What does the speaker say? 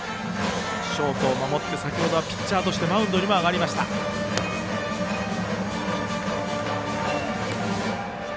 ショートを守って、先ほどはピッチャーとしてマウンドにも上がりました。